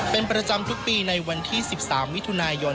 เป็นประจำทุกปีในวันที่๑๓มิถุนายน